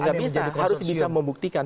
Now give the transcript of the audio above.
tidak bisa harus bisa membuktikan